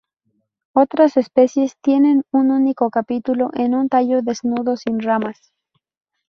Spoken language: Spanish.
Otras especies tienen un único capítulo en un tallo desnudo sin ramas.